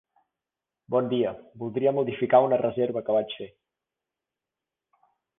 Bon dia, voldria modificar una reserva que vaig fer.